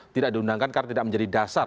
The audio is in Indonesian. tidak diundangkan karena tidak menjadi dasar